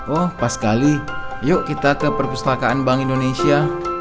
oh pas sekali yuk kita ke perpustakaan bank indonesia